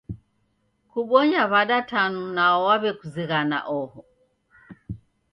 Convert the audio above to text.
Kubonya w'ada tanu nao waw'ekuzinghana oho?